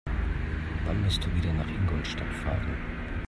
Wann musst du wieder nach Ingolstadt fahren?